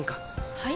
はい？